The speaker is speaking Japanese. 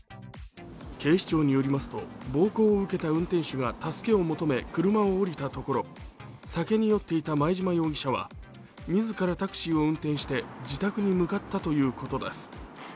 警視庁によりますと暴行を受けた運転手が助けを求め車を降りたところ酒に酔っていた前嶋容疑者は自らタクシーを運転して自宅に向かったということです。